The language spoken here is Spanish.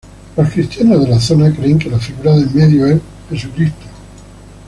Los cristianos de la zona creen que la figura de en medio es Jesucristo.